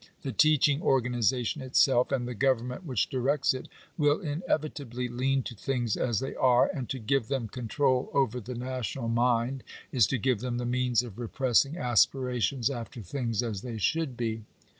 The teaching organization itself, and the government which directs it, will inevitably lean to things as they are ; and to give them control over the national mind, is to give them the means of re pressing aspirations after things as they should be.